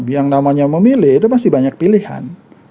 yang namanya memilih itu pasti banyak pilihan